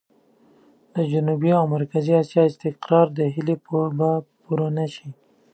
د جنوبي او مرکزي اسيا د استقرار هيلې به پوره نه شي.